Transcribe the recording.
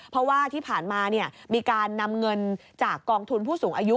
เพราะว่าที่ผ่านมามีการนำเงินจากกองทุนผู้สูงอายุ